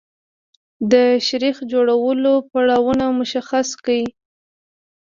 د شیریخ جوړولو پړاوونه مشخص کړئ.